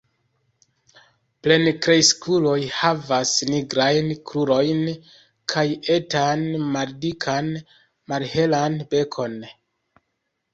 Plenkreskuloj havas nigrajn krurojn kaj etan maldikan malhelan bekon.